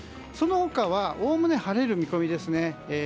その他はおおむね晴れる見込みです。